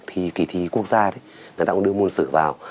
thì kỳ thi quốc gia đấy người ta cũng đưa môn sử vào